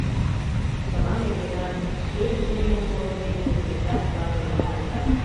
«... чыла нергенат, шке ужмем-умылымем нергештат тылат ойлен кертам.